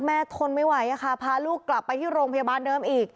ทนไม่ไหวค่ะพาลูกกลับไปที่โรงพยาบาลเดิมอีก